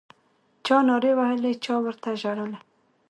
چا نارې وهلې چا ورته ژړله